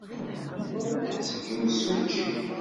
Teqqel-d seg yimsujji.